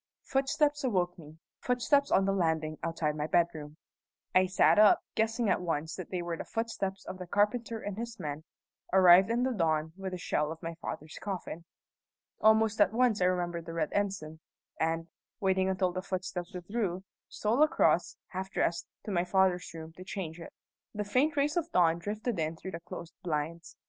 Footsteps awoke me footsteps on the landing outside my bedroom. I sat up, guessing at once that they were the footsteps of the carpenter and his men, arrived in the dawn with the shell of my father's coffin. Almost at once I remembered the red ensign, and, waiting until the footsteps withdrew, stole across, half dressed, to my father's room to change it. The faint rays of dawn drifted in through the closed blinds.